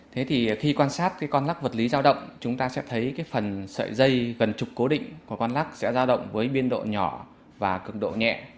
thế thì khi quan sát con lọc vật lý giao động chúng ta sẽ thấy phần sợi dây gần trục cố định của con lọc sẽ giao động với biên độ nhỏ và cực độ nhẹ